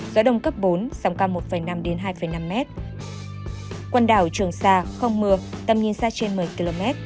gió đông cấp bốn sóng cao một năm hai năm m